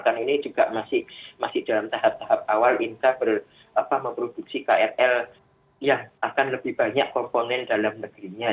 karena ini juga masih dalam tahap tahap awal inka memproduksi krl yang akan lebih banyak komponen dalam negerinya